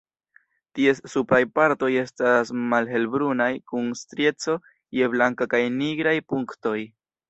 Ties supraj partoj estas malhelbrunaj kun strieco je blanka kaj nigraj punktoj.